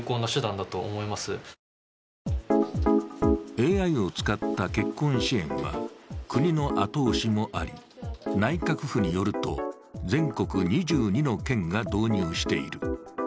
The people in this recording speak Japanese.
ＡＩを使った結婚支援は国の後押しもあり内閣府によると全国２２の県が導入している。